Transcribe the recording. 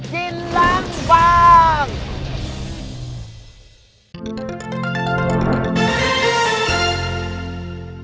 จินรังวาง